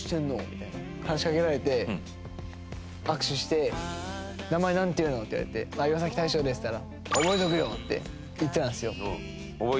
みたいな話しかけられて握手して「名前なんていうの？」って言われて「岩大昇です」って言ったら「覚えておくよ」って言ってたんですよ。